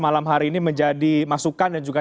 malam hari ini menjadi masukan dan juga